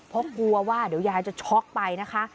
เพราะกลัวว่าเดี๋ยวยายจะช็อกไปนะคะ